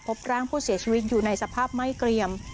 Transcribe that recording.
พบร่างผู้เสียชีวิตอยู่ในสภาพไหม้เกรียม